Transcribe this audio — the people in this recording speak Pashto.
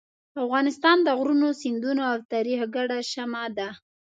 افغانستان د غرونو، سیندونو او تاریخ ګډه شمع ده.